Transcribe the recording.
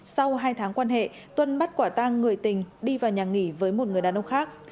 sau hai tháng quan hệ tuân bắt quả tang người tình đi vào nhà nghỉ với một người đàn ông khác